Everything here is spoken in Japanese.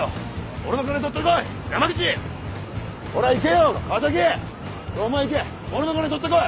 俺の金取ってこい！